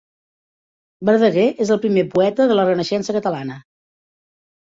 Verdaguer és el primer poeta de la Renaixença catalana.